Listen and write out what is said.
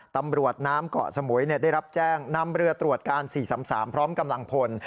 ตำรวจน้ำเกาะสมุยได้รับแจ้งนำเรือตรวจการ๔๓๓พร้อมกำลังพล